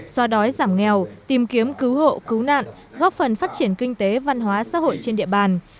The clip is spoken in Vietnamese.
xoa đói giảm nghèo tìm kiếm cứu hộ cứu nạn góp phần phát triển kinh tế văn hóa xã hội trên địa bàn